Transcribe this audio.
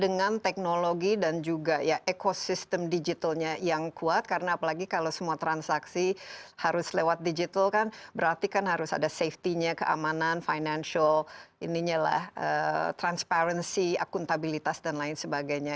dengan teknologi dan juga ya ekosistem digitalnya yang kuat karena apalagi kalau semua transaksi harus lewat digital kan berarti kan harus ada safety nya keamanan financial transparency akuntabilitas dan lain sebagainya